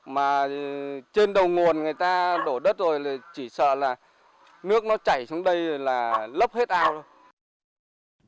mà trên đầu nguồn người ta đổ đất rồi chỉ sợ là nước nó chảy xuống đây là lấp hết ao thôi